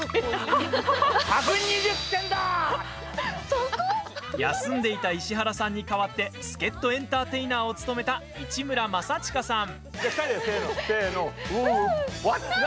そこ？休んでいた石原さんに代わって助っ人エンターテイナーを務めた市村正親さん。